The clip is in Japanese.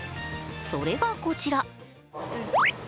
それがこちら。